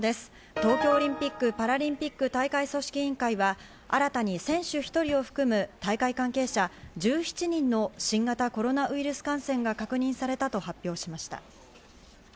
東京オリンピック・パラリンピック大会組織委員会は、新たに選手１人を含む大会関係者１７人の新型コロナウイルス感染が確認されたと発表しました。